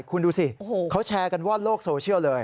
คุณดูสิเขาแชร์กันว่อนโลกโซเชียลเลย